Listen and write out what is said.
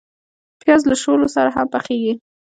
پیاز له شولو سره هم پخیږي